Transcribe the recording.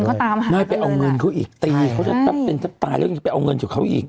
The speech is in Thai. คนเขาตามหาน้อยไปเอาเงินเขาอีกตีเขาจะตับเป็นจะตายแล้วอีกไปเอาเงินจากเขาอีก